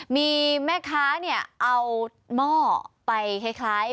มีแม่ค้าเนี่ยเอาหม้อไปคล้าย